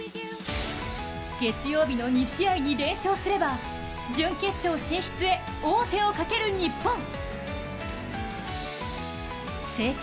月曜日の２試合に連勝すれば準決勝進出へ、王手をかける日本。